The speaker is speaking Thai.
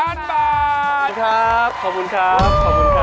ขอบคุณครับ